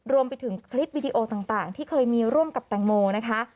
รวมไปถึงคลิปวิดีโอต่างที่เคยมีร่วมกับแตงโมนะคะ